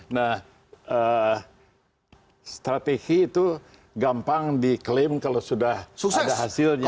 nah strategi itu gampang diklaim kalau sudah ada hasilnya